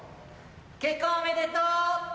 結婚おめでとう！